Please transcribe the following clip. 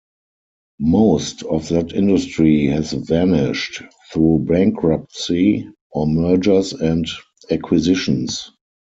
Most of that industry has vanished through bankruptcy or mergers and acquisitions.